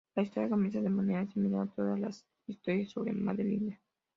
La historia comienza de manera similar a todas las historias sobre Madeline.